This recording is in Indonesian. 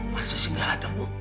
masa sih gak ada bu